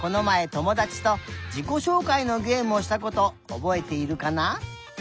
ともだちとじこしょうかいのゲームをしたことおぼえているかな？